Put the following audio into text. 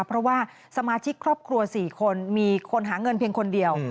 เพราะว่าสมาชิกครอบครัว๔คนมีคนหาเงินเพียงคนเดียว